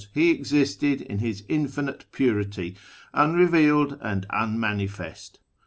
He existed in His Infinite Purity, unrevealed and unmanifest.